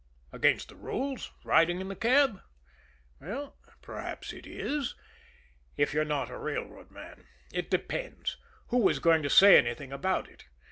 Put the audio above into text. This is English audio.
Against the rules riding in the cab? Well, perhaps it is if you're not a railroad man. It depends. Who was going to say anything about it?